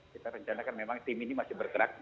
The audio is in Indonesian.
kita rencanakan memang tim ini masih bergerak